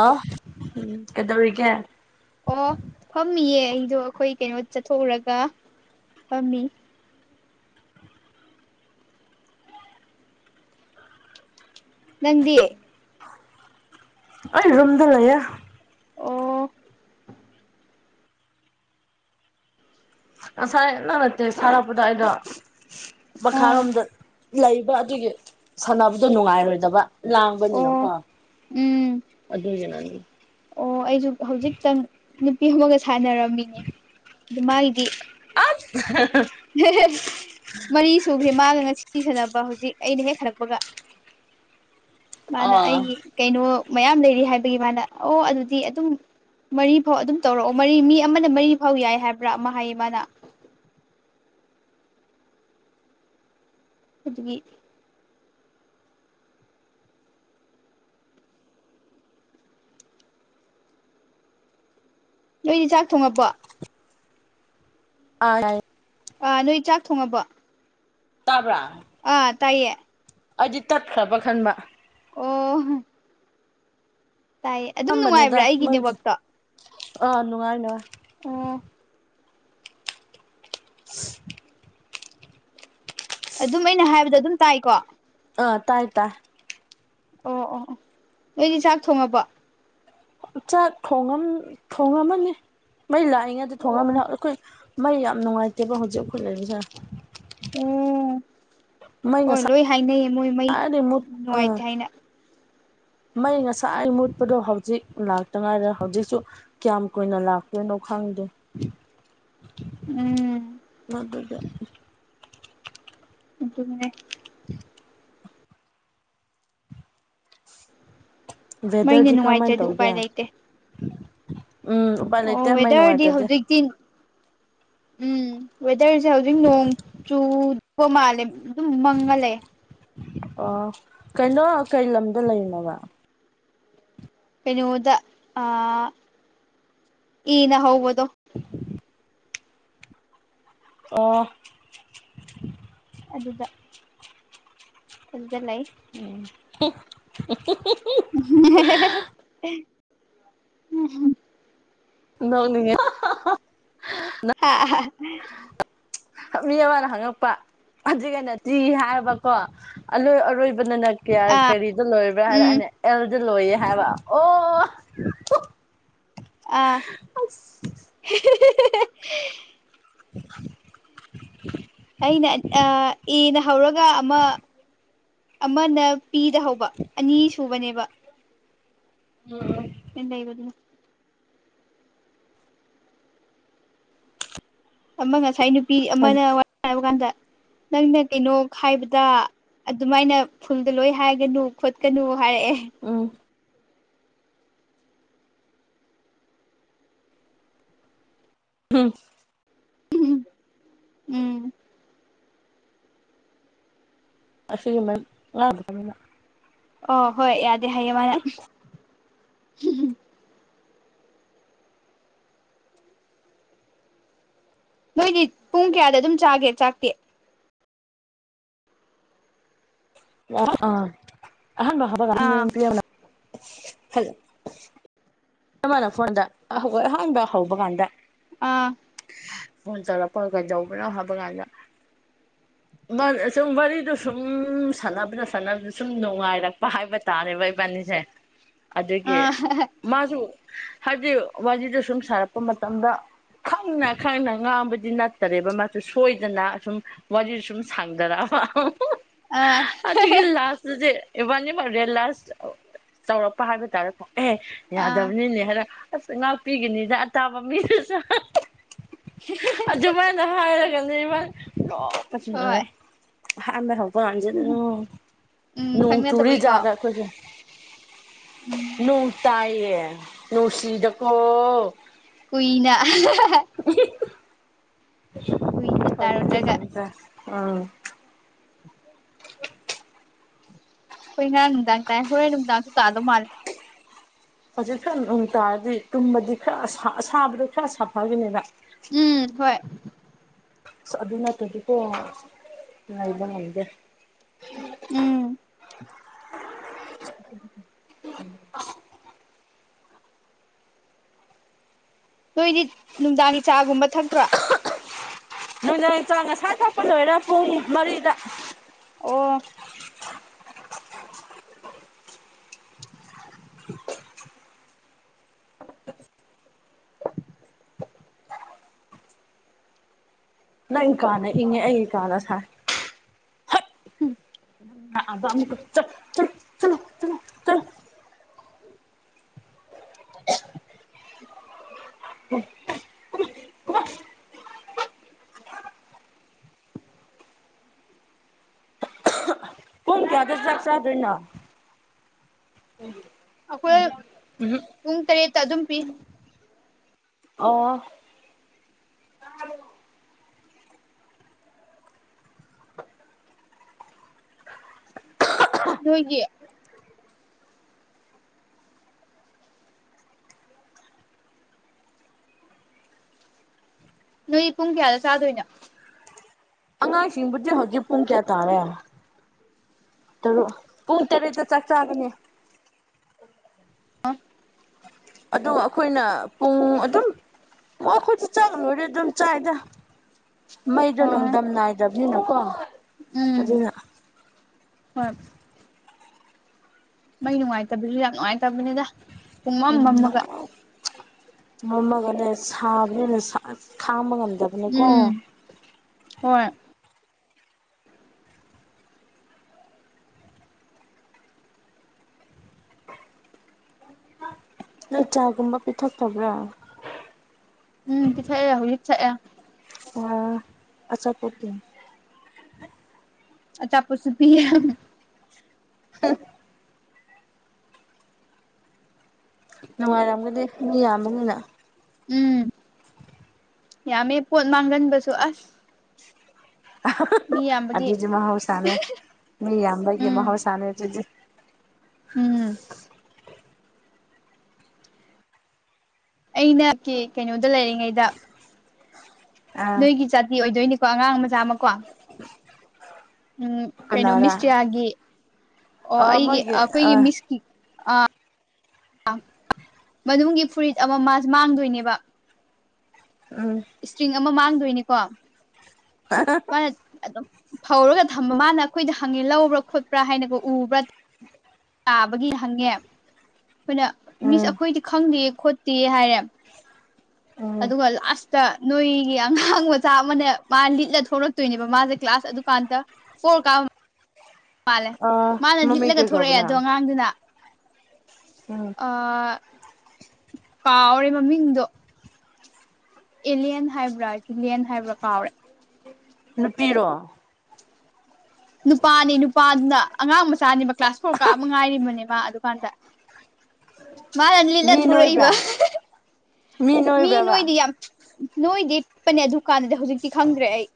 ꯑꯥ ꯎꯝ ꯀꯩꯗꯧꯔꯤꯒꯦ ꯑꯣ ꯐꯝꯃꯤꯌꯦ ꯑꯩꯗꯣ ꯑꯩꯈꯣꯏ ꯀꯩꯅꯣ ꯆꯠꯊꯣꯛꯎꯔꯒ ꯐꯝꯃꯤ ꯅꯪꯗꯤ ꯑꯩ ꯔꯨꯝꯗ ꯂꯩꯌꯦ ꯑꯣ ꯉꯁꯥꯏ ꯅꯪꯅ ꯇꯦꯛꯁ ꯊꯥꯔꯛꯄꯗꯣ ꯑꯩꯗꯣ ꯑꯥ ꯃꯈꯥꯔꯣꯝꯗ ꯂꯩꯕ ꯑꯗꯨꯒꯤ ꯁꯟꯅꯕꯗꯣ ꯅꯨꯡꯉꯥꯏꯔꯣꯏꯗꯕ ꯂꯥꯡꯕꯅꯤꯅꯀꯣ ꯑꯣ ꯎꯝ ꯑꯗꯨꯒꯤꯅꯅꯤ ꯑꯣ ꯑꯩꯖꯨ ꯍꯧꯖꯤꯛꯇꯪ ꯅꯨꯄꯤ ꯑꯃꯒ ꯁꯥꯟꯅꯔꯝꯃꯤꯅꯦ ꯑꯗꯣ ꯃꯥꯏꯗꯤ ꯍ ꯍ ꯍꯦ ꯍꯦ ꯃꯔꯤ ꯁꯨꯒ꯭ꯔꯦ ꯃꯥꯒ ꯉꯁꯤ ꯁꯥꯟꯅꯕ ꯍꯧꯖꯤꯛ ꯑꯩꯅ ꯍꯦꯛ ꯍꯜꯂꯛꯄꯒ ꯃꯥꯅ ꯑꯥ ꯑꯩꯒꯤ ꯀꯩꯅꯣ ꯃꯌꯥꯝ ꯂꯩꯔꯤ ꯍꯥꯏꯕꯒꯤ ꯃꯥꯅ ꯑꯣ ꯑꯗꯨꯗꯤ ꯑꯗꯨꯝ ꯃꯔꯤꯐꯥꯎ ꯑꯗꯨꯝ ꯇꯧꯔꯛꯑꯣ ꯃꯔꯤ ꯃꯤ ꯑꯃꯅ ꯃꯔꯤꯐꯥꯎ ꯌꯥꯏ ꯍꯥꯏꯕ꯭ꯔꯥ ꯃꯥ ꯍꯥꯏꯌꯦ ꯃꯥꯅ ꯑꯗꯨꯒꯤ ꯅꯣꯏꯗꯤ ꯆꯥꯛ ꯊꯣꯡꯉꯕꯣ ꯑꯥ ꯌꯥꯏꯌꯦ ꯑꯥ ꯅꯣꯏ ꯆꯥꯛ ꯊꯣꯡꯉꯕꯣ ꯇꯥꯕ꯭ꯔꯥ ꯑꯥ ꯇꯥꯏꯌꯦ ꯑꯩꯗꯤ ꯇꯠꯈ꯭ꯔꯕ ꯈꯟꯕ ꯑꯣ ꯇꯥꯏꯌꯦ ꯑꯗꯨꯝ ꯅꯨꯡꯉꯥꯏꯕ꯭ꯔ ꯑꯩꯒꯤ ꯅꯦꯠꯋꯥꯛꯇꯣ ꯑ ꯅꯨꯡꯉꯥꯏ ꯅꯨꯉꯥꯏ ꯑꯣ [inaudible] ꯑꯗꯨꯝ ꯑꯩꯅ ꯍꯥꯏꯕꯗꯣ ꯑꯗꯨꯝ ꯇꯥꯏꯀꯣ ꯑ ꯇꯥꯏ ꯇꯥꯢ ꯑꯣ ꯑꯣ ꯑꯣ ꯅꯣꯏꯗꯤ ꯆꯥꯛ ꯊꯣꯡꯉꯕꯣ ꯆꯥꯛ ꯊꯣꯡꯉꯝ ꯊꯣꯡꯉꯝꯃꯅꯤ ꯃꯩ ꯂꯥꯛꯏꯉꯩꯗ ꯊꯣꯡꯉꯝꯄꯅꯤ ꯑꯣ ꯑꯈꯣꯏ ꯃꯩ ꯌꯥꯝ ꯅꯨꯡꯉꯥꯏꯇꯦꯕ ꯍꯧꯖꯤꯛ ꯑꯈꯣꯏ ꯂꯩꯕꯖꯦ ꯑꯣ ꯃꯩ ꯍꯣꯏ ꯂꯣꯏ ꯍꯥꯏꯅꯩꯌꯦ ꯃꯣꯏ ꯃꯩ ꯉꯁꯥꯏꯗꯩ ꯃꯨꯠ ꯑꯥ ꯅꯨꯡꯉꯥꯏꯇꯦ ꯍꯥꯏꯅ ꯃꯩ ꯉꯁꯥꯏ ꯃꯨꯠꯄꯗꯣ ꯍꯧꯖꯤꯛ ꯂꯥꯛꯇꯉꯥꯏꯔꯦ ꯍꯧꯖꯤꯛꯁꯨ ꯀ꯭ꯌꯥꯝ ꯀꯨꯏꯅ ꯂꯥꯛꯇꯣꯏꯅꯣ ꯈꯪꯗꯦ ꯎꯝ ꯃꯗꯨꯗꯤ ꯑꯗꯨꯅꯤ [inaudible] ꯃꯩꯅ ꯋꯦꯗꯔꯗꯤ ꯀꯔꯝꯃꯥꯏꯟ ꯅꯨꯡꯉꯥꯏꯇ꯭ꯔꯗꯤ ꯇꯧꯒꯦ ꯎꯄꯥꯏ ꯂꯩꯇꯦ ꯎꯝ ꯎꯄꯥꯏ ꯑꯣ ꯂꯩꯇꯦ ꯃꯩ ꯋꯦꯗꯔꯗꯤ ꯅꯨꯡꯉꯥꯏꯇ꯭ꯔꯗꯤ ꯍꯧꯖꯤꯛꯇꯤ ꯎꯝ ꯋꯦꯗꯔꯖꯦ ꯍꯧꯖꯤꯛ ꯅꯣꯡ ꯆꯨ ꯗꯣꯕ ꯃꯥꯜꯂꯦ ꯑꯗꯨꯝ ꯃꯪꯉ ꯂꯩꯑꯦ ꯑꯣ ꯀꯅꯣ ꯀꯩ ꯂꯝꯗ ꯂꯩꯔꯤꯅꯣꯕ ꯀꯩꯅꯣꯗ ꯑꯥ ꯑꯦꯅ ꯍꯧꯕꯗꯣ ꯑꯥ ꯑꯗꯨꯗ ꯑꯗꯨꯗ ꯂꯩ ꯎꯝ [unintelligible] [unintelligible] ꯍꯦ ꯍꯦ ꯅꯣꯛꯅꯤꯡꯉꯦ ꯍ ꯍꯥ ꯃꯤ ꯑꯃꯅ ꯍꯪꯉꯛꯄ ꯑꯗꯨꯒꯤ ꯑꯩꯅ ꯇ꯭ꯔꯤ ꯍꯥꯏꯔꯕꯀꯣ ꯑꯂꯣꯏ ꯑꯔꯣꯏ ꯄꯨꯟꯅꯅ ꯀ꯭ꯌꯥ ꯑꯥ ꯀꯔꯤꯗ ꯂꯣꯏꯕ꯭ꯔꯥ ꯍꯥꯏꯔ ꯎꯝ ꯑꯩꯅ ꯑꯦꯜꯗ ꯂꯣꯏꯌꯦ ꯍꯥꯏꯕ ꯑꯣ ꯑꯥ ꯑꯁ ꯍꯦ ꯍꯦ ꯍꯦ ꯍꯦ [inaudible] [inaudible] ꯑꯩꯅ ꯑ ꯑꯦꯅ ꯍꯧꯔꯒ ꯑꯃ ꯑꯃꯅ ꯄꯤꯗ ꯍꯧꯕ ꯑꯅꯤ ꯁꯨꯕꯅꯦꯕ ꯎꯝ ꯑꯦꯟ ꯑꯩꯕꯗꯣ [unintelligible] ꯑꯃ ꯉꯁꯥꯏ ꯅꯨꯄꯤ ꯎꯝ ꯑꯃꯅ ꯋꯥꯔꯤ ꯁꯥꯟꯅꯕ ꯀꯥꯟꯗ ꯅꯪꯅ ꯀꯩꯅꯣ ꯈꯥꯏꯕꯗ ꯑꯗꯨꯃꯥꯏꯅ ꯐꯨꯜꯗ ꯂꯣꯏ ꯍꯥꯏꯒꯅꯨ ꯈꯣꯠꯀꯅꯨ ꯍꯥꯏꯔꯛꯑꯦ ꯎꯝ ꯍꯝ ꯎꯝ ꯎꯝ ꯁꯤꯒꯤꯃ ꯉ [unintelligible] ꯑꯣ ꯍꯣꯏ ꯌꯥꯗꯦ ꯍꯥꯏꯌꯦ ꯃꯥꯅ ꯅꯣꯏꯗꯤ ꯄꯨꯡ ꯀꯌꯥꯗ ꯑꯗꯨꯝ ꯆꯥꯒꯦ ꯆꯥꯛꯇꯤ ꯑ ꯑ ꯑꯍꯥꯟꯕ ꯍꯥꯕ ꯑꯥ ꯀꯅ ꯍꯂꯣ [unintelligible] ꯑꯃꯅ ꯐꯣꯟꯗ ꯑꯍꯧ ꯑꯍꯥꯟꯕ ꯍꯧꯕ ꯀꯥꯟꯗ ꯑꯥ ꯐꯣꯟ ꯇꯧꯔꯛꯄ ꯀꯩꯗꯧꯕꯅꯣ ꯍꯥꯏꯕ ꯀꯥꯟꯗ [inaudible] ꯁꯨꯝ ꯋꯥꯔꯤꯗꯨ ꯁꯨꯝ ꯁꯥꯟꯅꯕꯗ ꯁꯥꯟꯅꯕꯗ ꯁꯨꯝ ꯅꯨꯡꯉꯥꯏꯔꯛꯄ ꯍꯥꯏꯕ ꯇꯥꯔꯦꯕ ꯏꯕꯥꯅꯤꯁꯦ [inaudible] ꯑꯗꯒꯤ ꯑꯥ ꯃꯥꯁꯨ ꯍꯥꯏꯕꯗꯤ ꯋꯥꯔꯤꯗꯣ ꯁꯨꯝ ꯁꯥꯔꯛꯄ ꯃꯇꯝꯗ ꯈꯪꯅ ꯈꯪꯅ ꯉꯥꯡꯕꯗꯤ ꯅꯠꯇꯔꯦꯕ ꯃꯥꯁꯨ ꯁꯣꯏꯗꯅ ꯑꯁꯨꯝ ꯋꯥꯔꯤ ꯁꯨꯝ ꯁꯥꯡꯗꯔꯛꯑꯕ ꯑꯥ ꯑꯗꯨꯒꯤ ꯂꯥꯁꯇꯗꯤ ꯏꯕꯥꯟꯅꯤ ꯍꯣꯔꯦꯟ ꯂꯥꯏꯁ ꯆꯥꯎꯧꯔꯛꯄ ꯍꯥꯏꯕ ꯇꯥꯔꯦꯀꯣ ꯑꯦꯍꯦ ꯌꯥ ꯑꯥ ꯃꯤꯅꯦ ꯍꯥꯏꯔ ꯑꯁ ꯉꯥꯛꯄꯤꯒꯅꯤꯗ ꯑꯇꯥꯕ ꯃꯤꯗꯨꯁꯨ ꯑꯗꯨꯃꯥꯏꯅ ꯍꯥꯏꯔꯒꯅꯦ ꯏꯕꯥ ꯅꯣꯛꯄꯁꯤ ꯍꯣꯏ ꯂꯣꯏꯔꯦ ꯑꯍꯥꯟꯕ ꯍꯧꯕ ꯒꯥꯟꯁꯤꯗ ꯎꯝ ꯅꯣꯡ ꯇꯨꯔꯤ ꯈꯪꯅꯗꯕꯩꯀꯣ ꯖꯥꯠꯕ ꯑꯩꯈꯣꯏꯁꯦ ꯎꯝ ꯅꯣꯡ ꯇꯥꯏꯌꯦ ꯅꯨꯡꯁꯤꯗꯀꯣ ꯀꯨꯏꯅ ꯎ [unintelligible] ꯀꯨꯏꯅ ꯇꯥꯔꯨꯗ꯭ꯔꯒ ꯎꯝ ꯍꯣꯏ ꯉꯔꯥꯡ ꯅꯨꯡꯗꯥꯡ ꯇꯥꯏ ꯍꯣꯔꯣꯏ ꯅꯨꯡꯗꯥꯡꯗꯁꯨ ꯇꯥꯗꯧ ꯃꯥꯜꯂꯦ ꯍꯧꯖꯤꯛ ꯈ꯭ꯔ ꯅꯨꯡ ꯇꯥꯔꯗꯤ ꯇꯨꯝꯕꯗꯤ ꯈꯔ ꯑꯁꯥ ꯑꯁꯥꯕꯗꯣ ꯈꯔ ꯁꯥꯐꯒꯤꯅꯦꯕ ꯎꯝ ꯍꯣꯏ ꯑꯗꯨ ꯅꯠꯇꯗꯤꯀꯣ ꯂꯩꯕ ꯉꯝꯗꯦ ꯎꯝ ꯅꯣꯏꯗꯤ ꯅꯨꯡꯗꯥꯡꯒꯤ ꯆꯥꯒꯨꯝꯕ ꯊꯛꯇ꯭ꯔꯣ ꯅꯨꯏꯗꯥꯡ ꯆꯥꯡ ꯉꯁꯥꯏ ꯊꯛꯄ ꯂꯣꯏꯔꯥ ꯄꯨꯡ ꯃꯔꯤꯗ ꯑꯣ [inaudible] [inaudible] ꯅꯪ ꯀꯥꯅ ꯏꯪꯉꯦ ꯑꯩ ꯀꯥꯅ ꯁꯥꯏ ꯎꯝ ꯑꯗ ꯑꯃꯛꯀ ꯆ ꯆ ꯀꯥꯗ ꯆꯥꯛ ꯆꯥꯗꯣꯏꯅꯣ ꯑꯩꯈꯣꯏ ꯎꯝ ꯄꯨꯡ ꯇꯔꯦꯠꯇꯥ ꯑꯗꯨꯝ ꯄꯤ ꯑꯣ ꯅꯣꯏꯒꯤ ꯅꯣꯏ ꯄꯨꯡ ꯀ꯭ꯌꯥꯗ ꯆꯥꯗꯣꯏꯅꯣ ꯑꯉꯥꯡꯁꯤꯡꯕꯨꯗꯤ ꯍꯧꯖꯤꯛ ꯄꯨꯡ ꯀꯌꯥ ꯇꯥꯔꯦ ꯇꯔꯨꯛ ꯄꯨꯡ ꯇꯔꯦꯠꯇ ꯆꯥꯛ ꯆꯥꯒꯅꯤ ꯑꯣ ꯑꯗꯨ ꯑꯈꯣꯏꯅ ꯄꯨꯡ ꯑꯗꯨꯝ ꯑꯈꯣꯏꯗꯤ ꯆꯥꯛ ꯂꯣꯢꯔꯦ ꯑꯗꯨꯝ ꯆꯥꯏꯗ ꯃꯩꯗꯣ ꯑꯣ ꯅꯣꯡꯗꯝ ꯅꯥꯏꯗꯝꯅꯤꯅꯀꯣ ꯎꯝ ꯑꯗꯨꯅ ꯍꯣꯏ ꯃꯩ ꯅꯨꯡꯉꯥꯏꯇꯕꯖꯤ ꯌꯥꯝ ꯅꯨꯡꯉꯥꯏꯇꯕꯅꯤꯗ ꯄꯨꯡꯃꯝ ꯎꯝ ꯃꯝꯃꯒ [unintelligible] ꯃꯝꯃꯒꯅꯦ ꯁꯥꯕꯅꯤꯅ ꯈꯥꯡꯕ ꯉꯝꯗꯕꯅꯦꯀꯣ ꯎꯝ ꯍꯣꯏ ꯅꯣꯢ ꯆꯥꯒꯨꯝꯕ ꯄꯤꯊꯛꯇꯕ꯭ꯔꯥ ꯎꯝ ꯄꯤꯊꯛꯑꯦ ꯍꯧꯖꯤꯛ ꯊꯛꯑꯦ ꯑꯣ ꯑꯆꯥꯄꯣꯠꯇꯤ ꯑꯆꯥꯄꯣꯠꯁꯨ ꯄꯤꯌꯦ [unintelligible] ꯅꯨꯡꯉꯥꯏꯔꯝꯒꯅꯤ ꯃꯤ ꯌꯥꯝꯕꯅꯤꯅ ꯎꯝ ꯌꯥꯝꯃꯦ ꯄꯣꯠ ꯃꯥꯡꯒꯟꯕꯁꯨ ꯑꯁ ꯃꯤ ꯌꯥꯝꯕꯒꯤ ꯑꯗꯨꯗꯤ ꯃꯍꯧꯁꯥꯅꯦ ꯃꯤ ꯌꯥꯝꯕꯒꯤ ꯎꯝ ꯃꯍꯧꯁꯥꯅꯦ ꯑꯗꯨꯗꯤ ꯎꯝ ꯑꯩꯅ ꯀꯤ ꯀꯩꯅꯣꯗ ꯂꯩꯔꯤꯉꯩꯗ ꯑꯥ ꯅꯣꯏꯒꯤ ꯖꯥꯇꯤ ꯑꯣꯏꯗꯣꯏꯅꯤꯀꯣ ꯑꯉꯥꯡ ꯃꯆꯥ ꯑꯃꯀꯣ ꯎꯝ ꯀꯩꯅꯣ ꯀꯅꯥꯔꯥ ꯃꯤꯁꯇꯤꯌꯥꯒꯤ ꯑꯣ ꯑꯥ ꯑꯩꯒꯤ ꯃꯣꯏꯒꯤ ꯑꯈꯣꯏꯒꯤ ꯑꯥ ꯃꯤꯁꯀꯤ ꯑꯥ ꯃꯅꯨꯡꯒꯤ ꯐꯨꯔꯤꯠ ꯑꯃ ꯃꯥꯁ ꯃꯥꯡꯗꯣꯏꯅꯦꯕ ꯎꯝ ꯏꯁꯇ꯭ꯔꯤꯡ ꯑꯃ ꯃꯥꯡꯗꯣꯏꯅꯤꯀꯣ [unintelligible] ꯃꯥꯅ ꯑꯗꯨꯝ ꯐꯧꯔꯒ ꯊꯝꯕ ꯃꯥꯅ ꯑꯈꯣꯏꯗ ꯍꯪꯉꯦ ꯂꯧꯕ꯭ꯔꯥ ꯈꯣꯠꯄ꯭ꯔꯥ ꯍꯥꯏꯅꯒꯣ ꯎꯕ꯭ꯔꯥ ꯇꯥꯕꯒꯤ ꯍꯪꯉꯦ ꯑꯈꯣꯏꯅ ꯃꯤꯁ ꯎꯝ ꯑꯈꯣꯏꯗꯤ ꯈꯪꯗꯤꯌꯦ ꯈꯣꯠꯇꯤꯌꯦ ꯍꯥꯏꯌꯦ ꯎꯝ ꯑꯗꯨꯒ ꯂꯥꯁꯇ ꯅꯣꯏꯒꯤ ꯑꯉꯥꯡ ꯃꯆꯥ ꯑꯃꯅ ꯃꯥ ꯂꯤꯠꯂ ꯊꯣꯛꯂꯛꯇꯣꯏꯅꯦꯕ ꯃꯥꯁꯦ ꯀ꯭ꯂꯥꯁ ꯑꯗꯨꯀꯥꯟꯗ ꯐꯣꯔ ꯀꯥꯞꯕ ꯃꯥꯜꯂꯦ ꯑ ꯃꯥꯅ ꯃꯃꯤꯡ ꯂꯤꯠꯂꯒ ꯀꯩ ꯀꯧꯕ ꯊꯣꯔꯛꯑꯦ ꯑꯗꯣ ꯅꯪ ꯑꯉꯥꯡꯗꯨꯅ ꯎꯝ ꯑꯥ ꯀꯥꯎꯔꯦ ꯃꯃꯤꯡꯗꯨ ꯑꯦꯂꯦꯟ ꯍꯥꯏꯕ꯭ꯔꯥ [unintelligible] ꯍꯥꯏꯕ꯭ꯔꯥ ꯀꯥꯎꯔꯦ ꯅꯨꯄꯤꯔꯣ ꯅꯨꯄꯥꯅꯤ ꯅꯨꯄꯥꯗꯨꯅ ꯑꯉꯥꯡ ꯃꯆꯥꯅꯦꯕ ꯀ꯭ꯂꯥꯁ ꯐꯣꯔ ꯀꯥꯕ ꯉꯥꯏꯔꯤꯕꯅꯦꯕ ꯃꯥ ꯑꯗꯨꯀꯥꯟꯗ ꯃꯥꯅ ꯂꯤꯠꯂ ꯃꯤ ꯊꯨꯔꯛꯏꯕ ꯅꯣꯏꯕ꯭ꯔꯥ ꯃꯤ ꯅꯣꯏꯗꯤ ꯌꯥꯝ ꯅꯣꯏꯗꯦ ꯄꯤꯛꯄꯅꯦ ꯑꯗꯨꯀꯥꯟꯗꯗꯤ ꯍꯧꯖꯤꯛꯇꯤ ꯈꯪꯗ꯭ꯔꯦ ꯑꯩ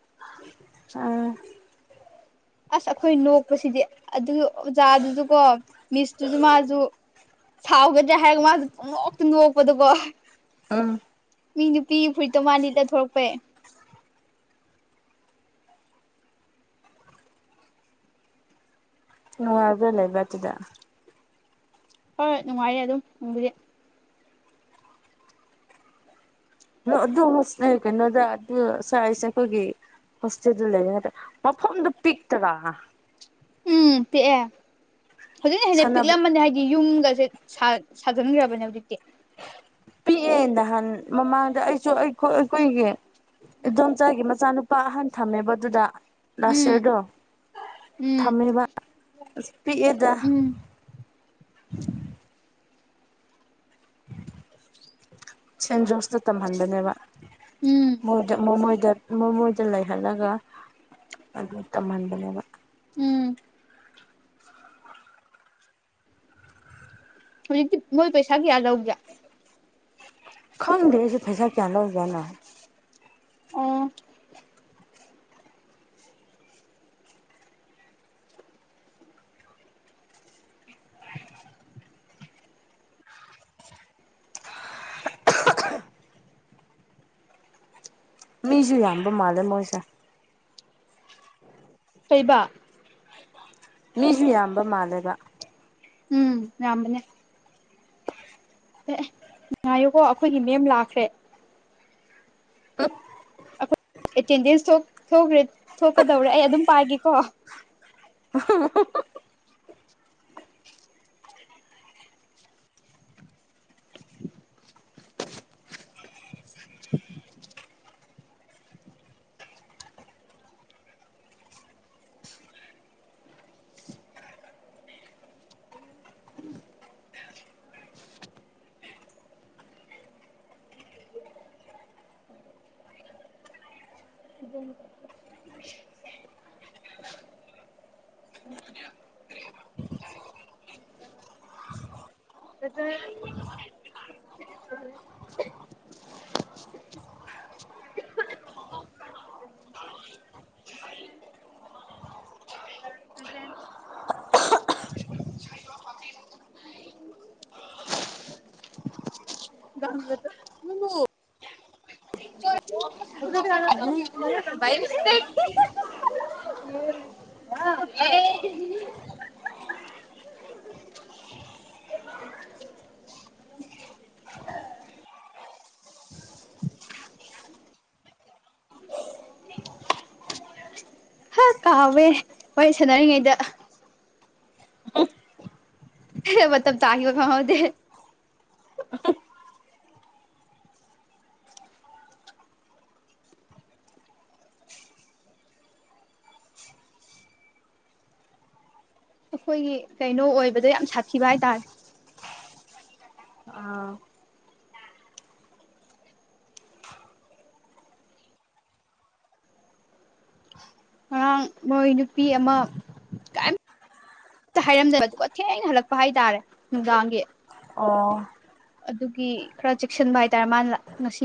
ꯎꯝ ꯑꯁ ꯑꯩꯈꯣꯏ ꯅꯣꯛꯄꯁꯤꯗꯤ ꯑꯗꯨꯒꯤ ꯑꯣꯖꯥꯗꯨꯁꯨ ꯀꯣ ꯃꯤꯁꯇꯨꯁꯨ ꯃꯥꯁꯨ ꯁꯥꯎꯒꯗ꯭ꯔ ꯍꯥꯏꯔꯒ ꯃꯥꯁꯨ ꯄꯨꯡꯅꯣꯛꯇ ꯅꯣꯛꯄꯗꯨꯀꯣ ꯎꯝ ꯃꯤ ꯅꯨꯄꯤ ꯐꯨꯔꯤꯠꯇꯣ ꯃꯥ ꯂꯤꯠꯂ ꯊꯣꯔꯛꯄꯩ ꯅꯨꯡꯉꯥꯏꯕ꯭ꯔꯥ ꯂꯩꯕ ꯑꯗꯨꯗ ꯍꯣꯏ ꯅꯨꯡꯉꯥꯏꯌꯦ ꯑꯗꯨꯝ ꯅꯨꯡꯕꯨꯗꯤ ꯑꯗꯨ ꯍꯣꯁꯇꯦꯜ ꯀꯩꯅꯣꯗ ꯑꯗꯨ ꯁ꯭ꯋꯥꯏꯁꯦ ꯑꯩꯈꯣꯏꯒꯤ ꯍꯣꯁꯇꯦꯜꯗꯨ ꯂꯩ [unintelligible] ꯃꯐꯝꯗꯨ ꯄꯤꯛꯇꯔ ꯎꯝ ꯄꯤꯛꯑꯦ ꯍꯧꯖꯤꯛꯅ ꯍꯦꯟꯅ ꯁꯥꯟꯅꯕ ꯄꯤꯛꯂꯝꯃꯅꯤ ꯍꯥꯏꯗꯤ ꯌꯨꯝꯒꯁꯦ ꯁꯥ ꯁꯥꯖꯤꯟꯈ꯭ꯔꯕꯅꯦ ꯍꯧꯖꯤꯛꯇꯤ ꯄꯤꯛꯑꯦ ꯅꯍꯥꯟ ꯃꯃꯥꯡꯗ ꯑꯩꯁꯨ ꯑꯩ ꯑꯩꯈꯣꯏꯒꯤ ꯏꯟꯗꯣꯝꯆꯥꯒꯤ ꯃꯆꯥꯅꯨꯄꯥ ꯑꯍꯟ ꯊꯝꯃꯦꯕ ꯑꯗꯨꯗ ꯂꯥꯁ ꯎꯝ ꯌꯔꯗꯣ ꯎꯝ ꯊꯝꯃꯦꯕ ꯑꯁ ꯄꯤꯛꯑꯦꯗ ꯎꯝ ꯁꯦꯟꯖꯣꯁꯇ ꯇꯝꯍꯟꯕꯅꯦꯕ ꯎꯝ ꯃꯣꯏꯗ ꯃꯣꯃꯣꯏꯗ ꯃꯃꯣꯏꯗ ꯂꯩꯍꯜꯂꯒ ꯑꯗꯨ ꯇꯝꯍꯟꯕꯅꯦꯕ ꯎꯝ ꯍꯧꯖꯤꯛꯇꯤ ꯃꯣꯏ ꯄꯩꯁꯥ ꯀꯌꯥ ꯂꯧꯒꯦ ꯈꯪꯗꯦ ꯑꯩꯁꯨꯦ ꯄꯩꯁꯥ ꯀꯌꯥ ꯂꯧꯖꯥꯠꯅꯣ ꯑꯣ ꯃꯤꯁꯨ ꯌꯥꯝꯕ ꯃꯥꯜꯂꯦ ꯃꯣꯏꯁꯦ ꯀꯩꯕ ꯃꯤꯁꯨ ꯌꯥꯝꯕ ꯃꯥꯜꯂꯦꯕ ꯎꯝ ꯌꯥꯝꯕꯅꯦ ꯑꯦ ꯑꯦ ꯉꯥꯏꯌꯨꯀꯣ ꯑꯩꯈꯣꯏꯒꯤ ꯃꯦꯝ ꯂꯥꯛꯈ꯭ꯔꯦ ꯑꯩꯈꯣꯏ ꯑꯦꯇꯦꯟꯗꯦꯟꯁ ꯊꯣꯛ ꯊꯣꯛꯈ꯭ꯔꯦ ꯊꯣꯛꯀꯗꯧꯔꯦ ꯑꯩ ꯑꯗꯨꯝ ꯄꯥꯏꯒꯦꯀꯣ [unintelligible] [unintelligible] ꯍꯥ ꯀꯥꯎꯋꯦ ꯋꯥꯔꯤ ꯁꯥꯟꯅꯔꯤꯉꯩꯗ ꯃꯇꯝ ꯇꯥꯒꯤꯕ ꯈꯪꯍꯧꯗꯦ ꯑꯩꯈꯣꯏꯒꯤ ꯀꯩꯅꯣ ꯑꯣꯏꯕꯗ ꯌꯥꯝ ꯁꯥꯊꯤꯕ ꯍꯥꯏꯇꯥꯔꯦ ꯑꯥ ꯉꯔꯥꯡ ꯃꯣꯏ ꯅꯨꯄꯤ ꯑꯃ ꯀꯩꯝ ꯇ ꯍꯥꯏꯔꯝꯗꯕ ꯑꯗꯨꯒ ꯊꯦꯡꯅ ꯍꯜꯂꯛꯄ ꯍꯥꯏꯇꯥꯔꯦ ꯅꯨꯡꯗꯥꯡꯒꯤ ꯑꯣ ꯑꯗꯨꯒꯤ ꯈꯔ ꯆꯦꯛꯁꯤꯟꯕ ꯍꯥꯏꯇꯥꯔꯦ ꯃꯥꯅ ꯉꯁꯤ